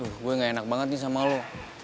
gue gak enak banget nih sama lo